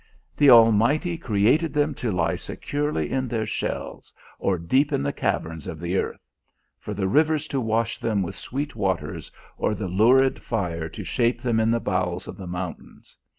"The Almighty created them to lie securely in their shells, or deep in the caverns of the earth; for the rivers to wash them with sweet waters or the lurid fire to shape them in the bowls of the mountains.